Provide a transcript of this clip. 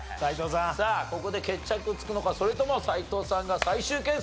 さあここで決着がつくのかそれとも斎藤さんが最終決戦に持っていくのか？